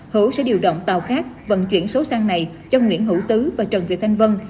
hữu sẽ điều động tàu khác vận chuyển số sang này cho nguyễn hữu tứ và trần việt thanh vân